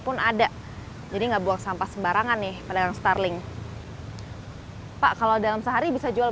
pun ada jadi enggak buang sampah sembarangan nih pedagang starling pak kalau dalam sehari bisa jual